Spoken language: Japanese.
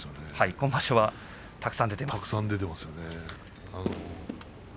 今場所はたくさん出てます。